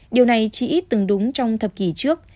điều này chỉ ít từng đúng trong thập kỷ trước